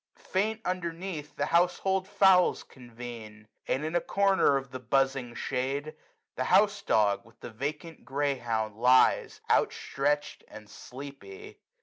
Faint, underneath, the household fowls convene j 23a And, in a corner of the buzzing shade. The house dog, with the vacant greyhound, lies, Out stretch'd, and sleepy.